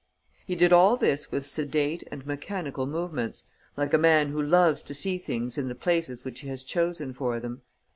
He did all this with sedate and mechanical movements, like a man who loves to see things in the places which he has chosen for them.